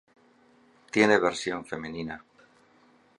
Tiene versión femenina.